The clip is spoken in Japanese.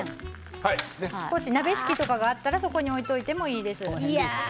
鍋敷きとかあったらそこに置いておいてもいいです。